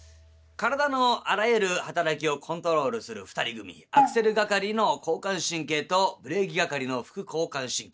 体のあらゆる働きをコントロールする２人組アクセル係の交感神経とブレーキ係の副交感神経。